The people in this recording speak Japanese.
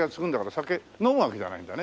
酒飲むわけじゃないんだね。